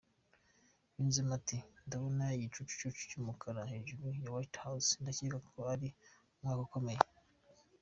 Yunzemo ati “Ndabona igicucucu cy’ umukara hejuru ya White house…ndakeka ari umwaka ukomeye”